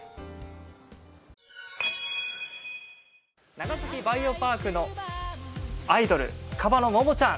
長崎バイオパークのアイドル、カバのモモちゃん。